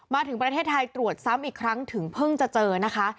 มาถึงประเทศไทยตรวจซ้ำอีกครั้งถึงเพิ่งจะเจอนะคะ